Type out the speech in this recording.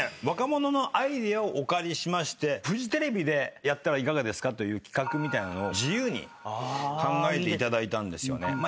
若者のアイデアをお借りしましてフジテレビでやったらいかがですかという企画みたいなのを自由に考えていただいたんですよね。